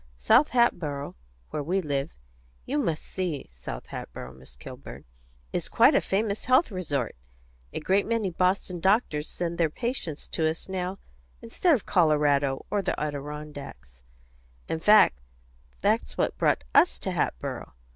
South Hatboro', where we live you must see South Hatboro', Miss Kilburn! is quite a famous health resort. A great many Boston doctors send their patients to us now, instead of Colorado or the Adirondacks. In fact, that's what brought us to Hatboro'.